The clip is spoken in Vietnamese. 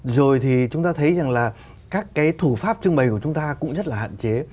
rồi thì chúng ta thấy rằng là các cái thủ pháp trưng bày của chúng ta cũng rất là hạn chế